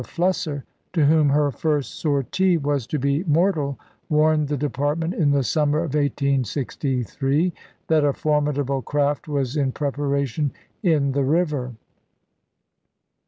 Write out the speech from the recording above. Flusser, to whom her first sortie was to be mortal, warned the department in the summer of 1863 that a formidable craft was in preparation in the river.